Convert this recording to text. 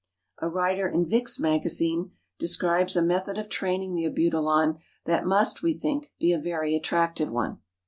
A writer in Vick's Magazine describes a method of training the Abutilon that must, we think, be a very attractive one.